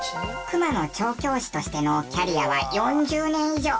クマの調教師としてのキャリアは４０年以上。